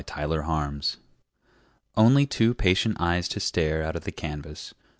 FADED PICTURES Only two patient eyes to stare Out of the canvas.